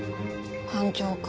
班長か。